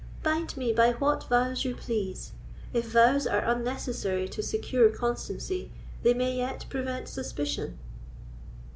Bind me by what vows you please; if vows are unnecessary to secure constancy, they may yet prevent suspicion."